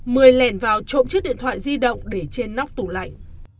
mười lèn vào trộm chiếc điện thoại di động để trên nóc tủ lạnh